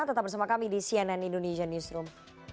kita akan menjelaskan di cnn indonesia newsroom